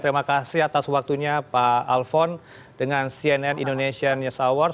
terima kasih atas waktunya pak alfon dengan cnn indonesia news hour